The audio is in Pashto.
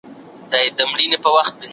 د اولادونو تر منځ عدالت کول.